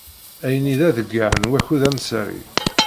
Ayenni d aḍeyyeɛ n wakud amsari.